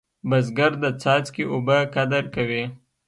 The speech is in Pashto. بزګر د څاڅکي اوبه قدر کوي